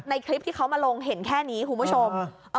คลิปที่เขามาลงเห็นแค่นี้คุณผู้ชม